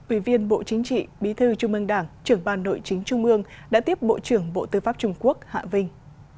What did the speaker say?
ủy viên bộ chính trị bí thư trung ương đảng trưởng ban nội chính trung ương đã tiếp bộ trưởng bộ tư pháp trung quốc hạ vinh